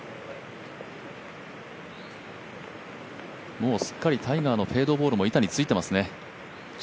もうすっかりタイガーのフェードボールも板についていますね。